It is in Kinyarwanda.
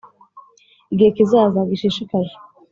igihe kizaza gishishikaje